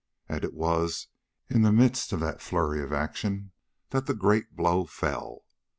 And it was in the midst of that flurry of action that the great blow fell.